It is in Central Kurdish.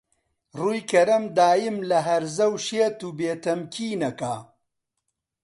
ڕووی کەرەم دایم لە هەرزە و شێت و بێ تەمکین ئەکا